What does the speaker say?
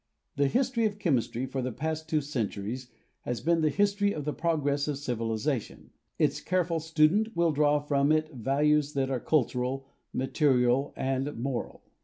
The history of chemis x INTRODUCTION try for the past two centuries has been the history of the progress of civilization. Its careful student will draw from it values that are cultural, material and moral.